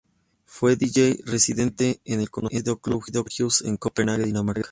Fue Dj residente en el conocido Club Gorgeous en Copenague, Dinamarca.